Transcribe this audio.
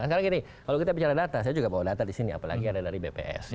sekarang gini kalau kita bicara data saya juga bawa data di sini apalagi ada dari bps